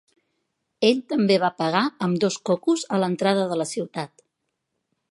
Ell també va pagar amb dos cocos a l'entrada de la ciutat.